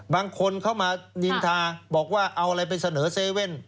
บางคนเข้ามานินทาบอกว่าเอาอะไรไปเสนอ๗๑๑